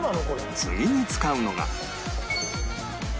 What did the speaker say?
次に使うのが